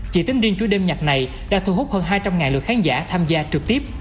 chỉ tính riêng cuối đêm nhạc này đã thu hút hơn hai trăm linh lượt khán giả tham gia trực tiếp